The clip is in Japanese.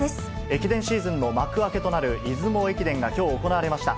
駅伝シーズンの幕開けとなる出雲駅伝がきょう行われました。